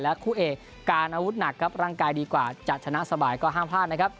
และคู่เอกานอวุธหนักร่างกายดีกว่าจะชนะสบายก็ห้ามพลาด